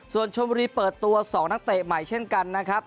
ส่วนชมบุรีเปิดตัว๒นักเตะใหม่เช่นกันนะครับ